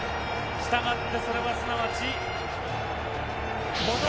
従ってそれはすなわち。